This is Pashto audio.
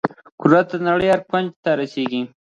قدرت د نړۍ هر کونج ته رسیږي.